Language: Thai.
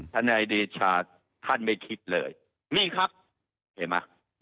นายเดชาท่านไม่คิดเลยนี่ครับเห็นไหม